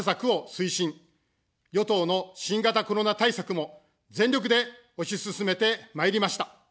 与党の新型コロナ対策も、全力で推し進めてまいりました。